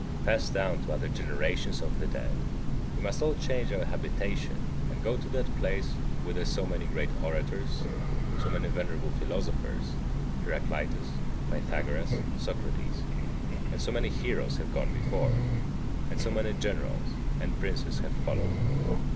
Pass down to other generations of the dead. We must all change our habitation and go to that place whither so many great orators, so many venerable philosophers, Heraclitus, Pythagoras, Socrates, and so many heroes have gone before, and so many generals and princes have followed.